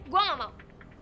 gua nggak mau